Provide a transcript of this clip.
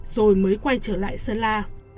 rồi mới quay trở lại sơn la